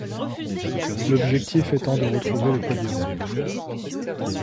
L'objectif étant de retrouver le podium.